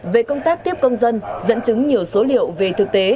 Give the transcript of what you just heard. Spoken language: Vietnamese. về công tác tiếp công dân dẫn chứng nhiều số liệu về thực tế